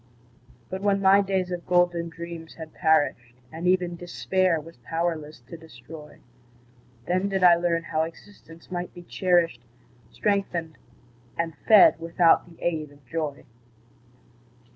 But when my days of golden dreams had perished, And even Despair was powerless to destroy, Then did I learn how existence might be cherished, Strengthened and fed without the aid of joy.